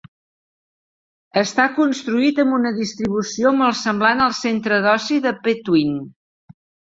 Està construït amb una distribució molt semblant al centre d'oci de Pentwyn.